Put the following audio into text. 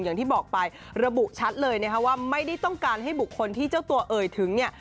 อย่างที่บอกไประบุชัดเลยนะคะว่าไม่ได้ต้องการให้บุคคลที่เจ้าตัวเอ่ยถึงเนี่ย